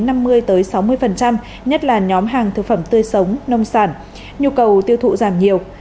nhất là nhóm hàng thực phẩm tươi sống nông sản nhu cầu tiêu thụ giảm nhiều